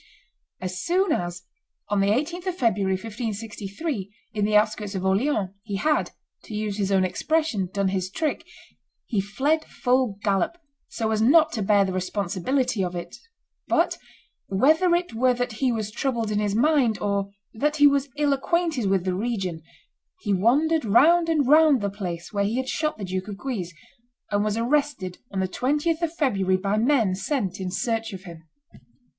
As soon as, on the 18th of February, 1563, in the outskirts of Orleans, he had, to use his own expression, done his trick, he fled full gallop, so as not to bear the responsibility of it; but, whether it were that he was troubled in his mind, or that he was ill acquainted with the region, he wandered round and round the place where he had shot the Duke of Guise, and was arrested on the 20th of February by men sent in search of him.